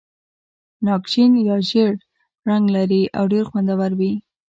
ناک شین یا ژېړ رنګ لري او ډېر خوندور وي.